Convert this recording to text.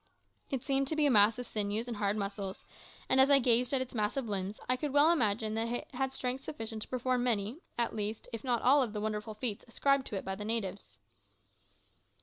It seemed to be a mass of sinews and hard muscles, and as I gazed at its massive limbs I could well imagine that it had strength sufficient to perform many, at least, if not all of the wonderful feats ascribed to it by the natives.